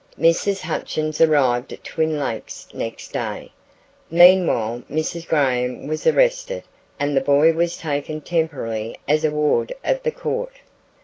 Mrs. Hutchins arrived at Twin Lakes next day. Meanwhile Mrs. Graham was arrested and the boy was taken temporarily as a ward of the court.